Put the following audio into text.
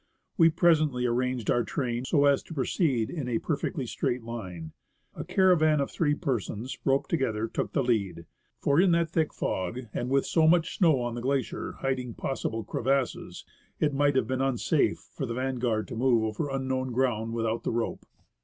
We presently arranged our train so as to proceed in a perfectly straight line. A caravan of three persons, roped together, took the lead ; for in that thick fog, and with so much snow on the glacier, hiding possible crevasses, it might have been unsafe for the vanguard to move over unknown ground without the rope.